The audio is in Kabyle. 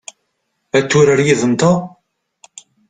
Ad turar yid-nteɣ?